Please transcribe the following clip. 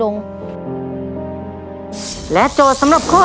คุณฝนจากชายบรรยาย